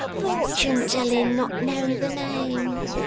Fortune telling not know the name!